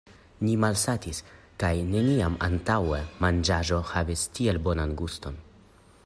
Ni malsatis kaj neniam antaŭe manĝaĵo havis tiel bonan guston.